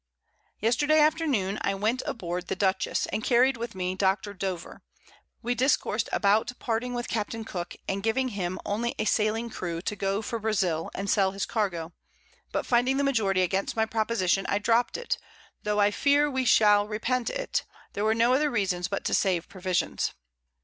_ Yesterday Afternoon I went aboard the Dutchess, and carried with me Doctor Dover; we discoursed about parting with Capt. Cooke, and giving him only a Sailing Crew to go for Brazil, and sell his Cargo; but finding the Majority against my Proposition, I dropt it, tho' I fear we shall repent it, were there no other Reasons but to save Provisions.